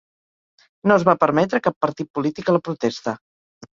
No es va permetre cap partit polític a la protesta.